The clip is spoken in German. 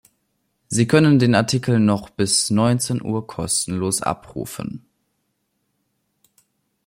Sie können den Artikel noch bis neunzehn Uhr kostenlos abrufen.